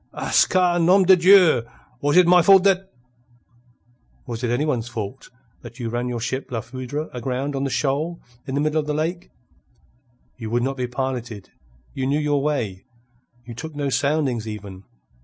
"Ah ca! Nom de Dieu! Was it my fault that...." "Was it any one else's fault that you ran your ship La Foudre aground on the shoal in the middle of the lake? You would not be piloted. You knew your way. You took no soundings even.